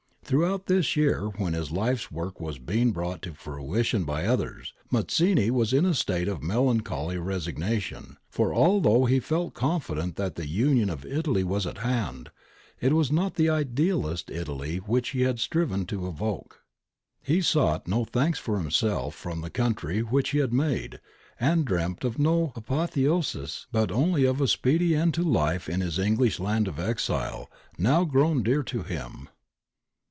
Throughout this year when his life's work was being brought to fruition by others, Mazzini was in a state of melancholy resignation, for although he felt confident that the union of Italy was at hand, it was not the idealist Italy which he had striven to evoke. He sought no thanks for himself from the country which he had made, and dreamt of no apotheosis, but only of a speedy end to life in his English land of exile, now grown dear to him.